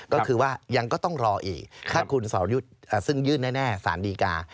ก็คือว่ายังก็ต้องรออีกถ้าคุณสอรยุทธ์ซึ่งยื่นแน่สารดีกา